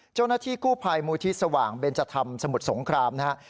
เจ้าหน้าที่กู้ภัยมูลที่สว่างเบนจธรรมสมุทรสงครามนะครับ